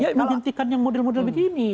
dia menghentikan yang model model begini